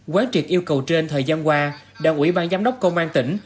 quán triệt yêu cầu trên thời gian qua đảng ủy ban giám đốc công an tỉnh